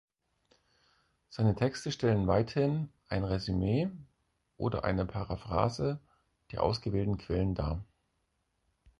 Seine Texte stellen weithin ein Resümee oder eine Paraphrase der ausgewählten Quellen dar.